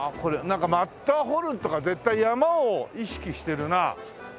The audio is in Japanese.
なんかマッターホルンとか絶対山を意識してるな。